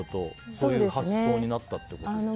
そういう発想になったということですか。